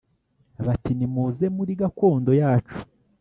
bati “nimuze muri gakondo yacu